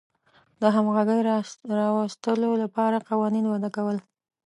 د همغږۍ راوستلو لپاره قوانین وضع کول.